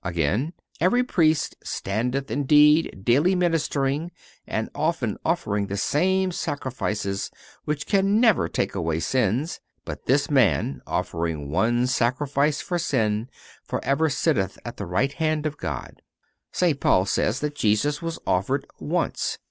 (402) Again: "Every Priest standeth, indeed, daily ministering, and often offering the same sacrifices, which can never take away sins, but this Man, offering one sacrifice for sin, forever sitteth at the right hand of God."(403) St. Paul says that Jesus was offered once.